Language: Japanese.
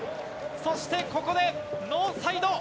そして、ここでノーサイド。